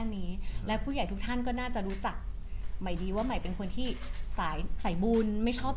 นี้และผู้ใหญ่ทุกท่านก็น่าจะรู้จักใหม่ดีว่าใหม่เป็นคนที่สายสายบุญไม่ชอบ